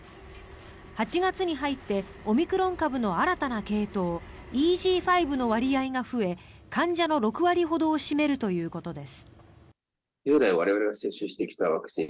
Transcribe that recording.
８月に入ってオミクロン株の新たな系統ＥＧ．５の割合が増え患者の６割ほどを占めるということです。